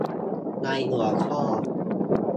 ในหัวข้อ